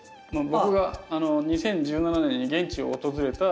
僕が２０１７年に現地を訪れた。